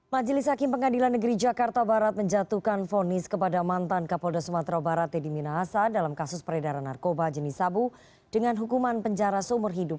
majelis hakim pengadilan negeri jakarta barat menjatuhkan fonis kepada mantan kapolda sumatera barat teddy minahasa dalam kasus peredaran narkoba jenis sabu dengan hukuman penjara seumur hidup